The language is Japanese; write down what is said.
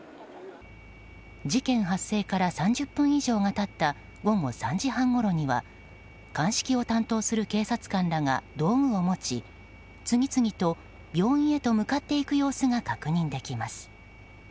事件発生から３０分以上が経った午後３時半ごろには鑑識を担当する警察官らが道具を持ち次々と病院へと向かっていく様子が確認できます。